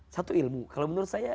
satu ilmu kalau menurut saya